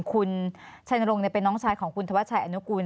คุณชัยนรงค์เป็นน้องชายของคุณธวัชชัยอนุกูล